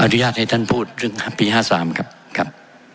อนุญาตให้ท่านพูดเรื่องปี๕๓ครับครับ